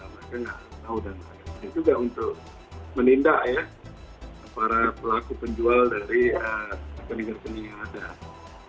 mereka nggak tahu dan ada juga untuk menindak ya para pelaku penjual dari rekening rekening yang ada